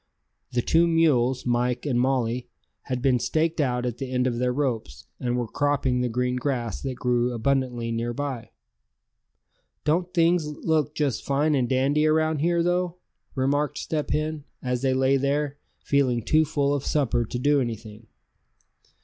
The two mules, Mike and Molly, had been staked out at the end of their ropes, and were cropping the green grass that grew abundantly near by. "Don't things look just fine and dandy around here, though?" remarked Step Hen, as they lay there, feeling too full of supper to do anything.